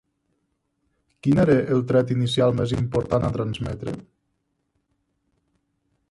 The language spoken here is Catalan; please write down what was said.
Quin era el tret inicial més important a transmetre?